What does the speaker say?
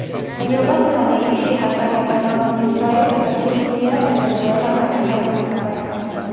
Waliobaki wanaishi hasa Lebanoni, Israeli, lakini pia Venezuela, Marekani nakadhalika.